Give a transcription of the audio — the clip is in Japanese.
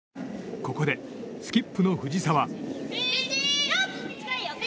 ここでスキップの藤澤。